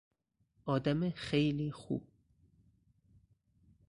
آدم خیلی خوب